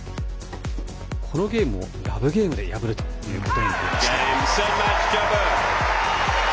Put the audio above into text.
このゲームをラブゲームで破るということになりました。